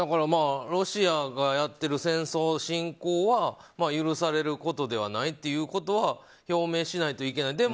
ロシアがやってる戦争、侵攻は許されることではないということは表明しないといけない。